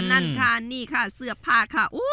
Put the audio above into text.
นั่นค่ะนี่ค่ะเสื้อผ้าค่ะ